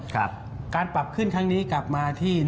การปรับขึ้นครั้งนี้กลับมาที่